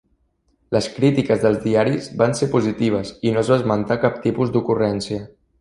Les crítiques dels diaris van ser positives i no es va esmentar cap tipus d'ocurrència.